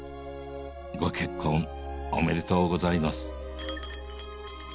ご結婚おめでとうございます。